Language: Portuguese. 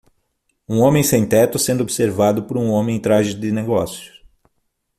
Um homem sem-teto sendo observado por um homem em trajes de negócios.